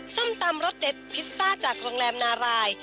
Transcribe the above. ส้มตำรสเด็ดพิซซ่าจากโรงแรมนาราย